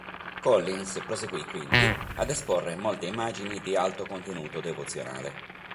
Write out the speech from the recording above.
Collins proseguì quindi ad esporre molte immagini di alto contenuto devozionale.